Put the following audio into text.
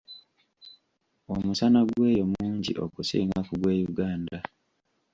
Omusana gw’eyo mungi okusinga ku gw’e Uganda.